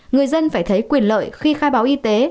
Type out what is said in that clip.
người dân phải thấy quyền lợi khi khai báo y tế